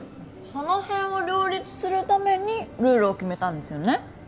その辺を両立するためにルールを決めたんですよね？